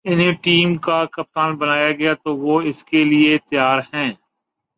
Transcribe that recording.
انہیں ٹیم کا کپتان بنایا گیا تو وہ اس کے لیے تیار ہیں